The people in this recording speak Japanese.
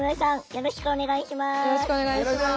よろしくお願いします。